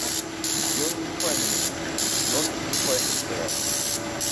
Ён не файны музыка, ён не файны спявак.